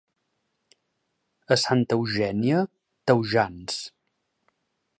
A Santa Eugènia, taujans.